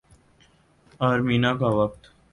Armenia کا وقت